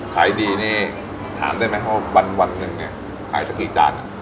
ขายดีนี่ถามได้ไหมว่าวันหนึ่งเนี่ยขายสักกี่จาน